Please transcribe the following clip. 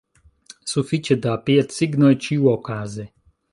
Sufiĉe da piedsignoj ĉiuokaze!